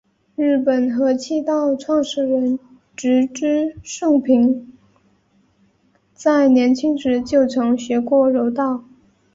日本合气道创始人植芝盛平在年轻时就曾学过柔道。